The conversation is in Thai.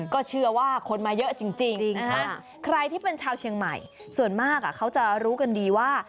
ก็เชื่อว่าคนมาเยอะจริงใครที่เป็นชาวเชียงใหม่ส่วนมากเขาจะรู้กันดีว่า